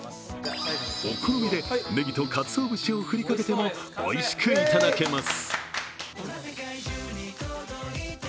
お好みで、ねぎとかつお節を振りかけてもおいしくいただけます。